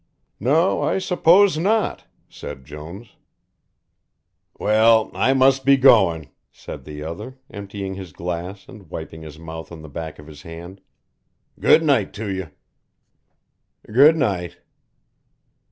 "No, I suppose not," said Jones. "Well, I must be goin'," said the other, emptying his glass and wiping his mouth on the back of his hand. "Good night to you." "Good night."